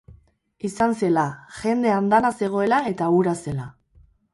Izan zela, jende andana zegoela eta hura zela.